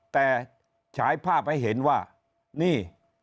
แต่ฉายภาพให้เห็นว่านี่